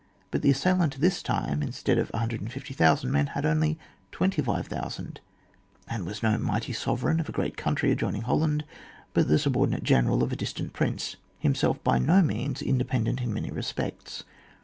But the assailant this time, instead of 150,000 men, had only 25,000, and was no mighty sove reign of a great country adjoining Hol land, but the subordinate genered of a distant prince, himself by no means in dependent in many respects.